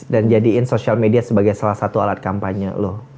dan jadiin social media sebagai salah satu alat kampanye lo